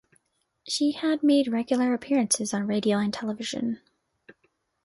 She had made regular appearances on radio and television.